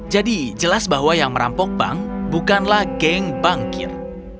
jadi jelas bahwa yang merampok bank bukanlah geng bangkir